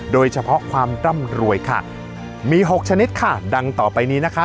โดยเฉพาะความร่ำรวยค่ะมีหกชนิดค่ะดังต่อไปนี้นะคะ